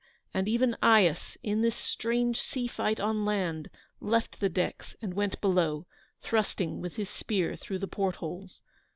and even Aias, in this strange sea fight on land, left the decks and went below, thrusting with his spear through the portholes.